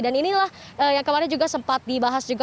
dan inilah yang kemarin juga sempat dibahas juga